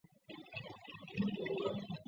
霍夫曼出生于美国加州洛杉矶。